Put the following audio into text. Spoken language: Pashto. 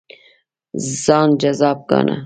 ځان جذاب ګاڼه.